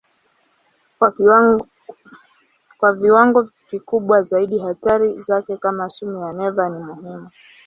Kwa viwango kikubwa zaidi hatari zake kama sumu ya neva ni muhimu.